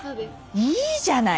いいじゃない。